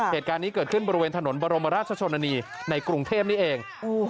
เหตุการณ์นี้เกิดขึ้นบริเวณถนนบรมราชชนนานีในกรุงเทพนี่เอง